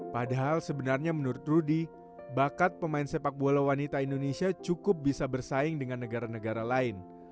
padahal sebenarnya menurut rudy bakat pemain sepak bola wanita indonesia cukup bisa bersaing dengan negara negara lain